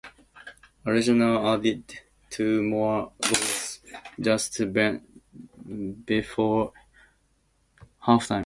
Arsenal added two more goals just before halftime.